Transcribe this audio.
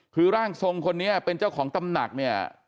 คือร่างทรงคนนี้เป็นเจ้าของตำหนักเนี่ย